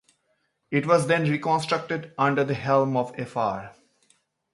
It was then reconstructed under the helm of Fr.